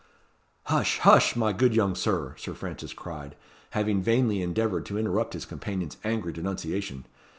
"Hush! hush! my good young Sir," Sir Francis cried, having vainly endeavoured to interrupt his companion's angry denunciation.